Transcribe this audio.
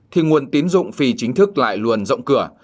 thì nguồn tín dụng phi chính thức lại luôn rộng cửa